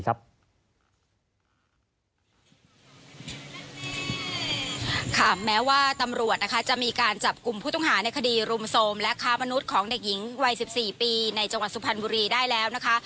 ค่ะแม้ว่าตำรวจนะคะจะมีการจับกลุ่มผู้ต้องหาในคดีรุมโทรมและค้ามนุษย์ของเด็กหญิงวัย๑๔ปีในจังหวัดสุพรรณบุรีได้แล้วนะคะ